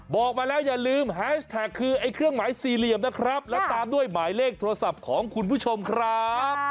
บอกมาแล้วอย่าลืมแฮชแท็กคือไอ้เครื่องหมายสี่เหลี่ยมนะครับแล้วตามด้วยหมายเลขโทรศัพท์ของคุณผู้ชมครับ